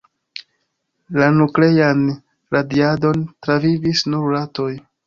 La nuklean radiadon travivis nur ratoj.